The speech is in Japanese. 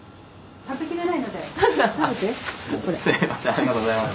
ありがとうございます。